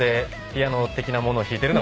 ピアノ的なものを弾いてる。